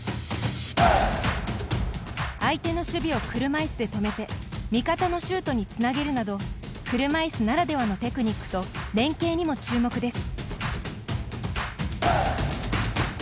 相手の守備を車いすで止めて味方のシュートにつなげるなど車いすならではのテクニックと連係にも注目です。